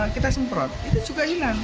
kita semprot itu juga hilang